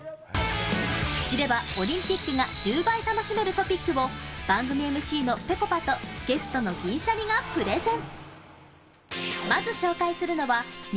知ればオリンピックが１０倍楽しめるトピックを番組ＭＣのぺこぱとゲストの銀シャリがプレゼン。